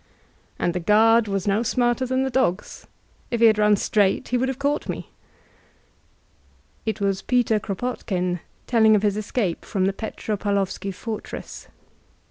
And the guard was no smarter than the dogs; if he had run straight to the gate he would have caught roe/' It was Peter Kropotkin telling of his escape from the Petro Paulovsky fortress.